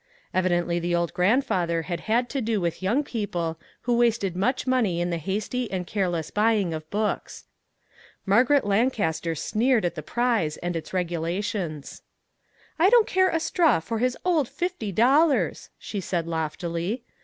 Evidently the old grandfather had had to do with young people who wasted much money in the hasty and care less buying of books. Margaret Lancaster sneered at the prize and its regulations. " I don't care a straw for his old fifty dol lars !" she said loftily.